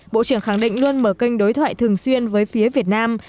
bộ trưởng khẳng định luôn mở kênh đối thoại thường xuyên với phía việt nam